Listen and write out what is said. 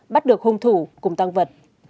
bắt được hung thủ cùng tăng vật